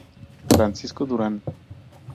Francisco Durán.